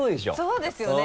そうですよね